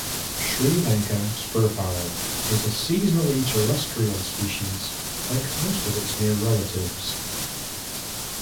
Sri Lanka spurfowl is a seasonally terrestrial species, like most of its near relatives.